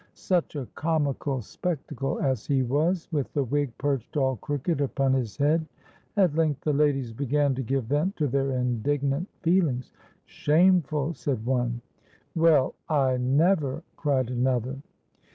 Such a comical spectacle as he was, with the wig perched all crooked upon his head! At length the ladies began to give vent to their indignant feelings. 'Shameful!' said one.—'Well, I never!' cried another.